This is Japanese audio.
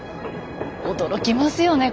驚きますよね